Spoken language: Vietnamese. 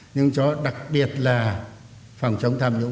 nhưng cho đặc biệt là phòng chống tham nhũng